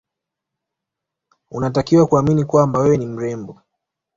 unatakiwa kuamini kwamba wewe ni mrembo